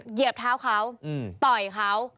เหยียบเท้าเขาต่อยเขา